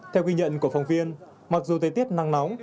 theo ghi nhận của phòng viên mặc dù tế tiết năng nóng